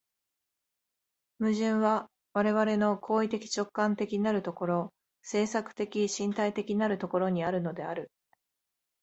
矛盾は我々の行為的直観的なる所、制作的身体的なる所にあるのである。